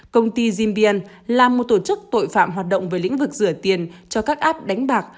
công ty zmbien là một tổ chức tội phạm hoạt động về lĩnh vực rửa tiền cho các app đánh bạc